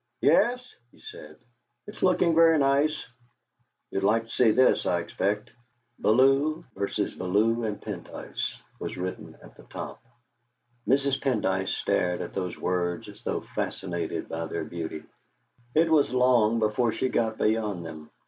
"Yes," he said, "it's looking very nice. You'd like to see this, I expect." "Bellew v. Bellew and Pendyce" was written at the top. Mrs. Pendyce stared at those words as though fascinated by their beauty; it was long before she got beyond them.